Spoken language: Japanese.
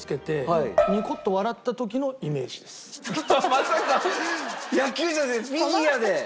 まさか野球じゃなくてフィギュアで！